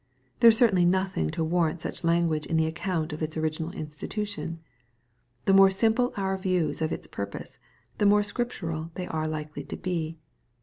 There is certainly nothing to warrant such language in the account of its original institution. The more simple our views of its purpose, the more Scriptural they are likely to be.